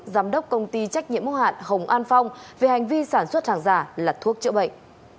giám đốc công ty trách nhiệm mô hạn hồng an phong về hành vi sản xuất hàng giả là thuốc chữa bệnh